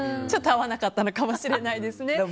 ちょっと合わなかったのかもしれないですね。